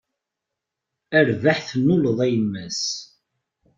A rrbeḥ tennuleḍ a yemma-s.